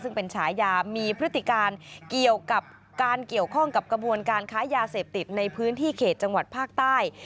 ซึ่งเป็นฉายามีพฤติการเกี่ยวกับการเกี่ยวข้องกับกระบวนการค้ายาเสพติดในพื้นที่เขตจังหวัดภาคใต้